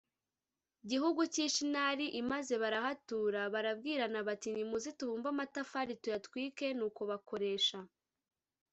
Gihugu cy i shinari i maze barahatura barabwirana bati nimuze tubumbe amatafari tuyatwike nuko bakoresha